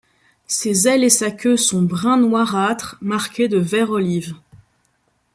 Ses ailes et sa queue sont brun noirâtre marqués de vert olive.